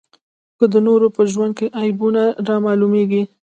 که د نورو په ژوند کې عیبونه رامعلومېږي.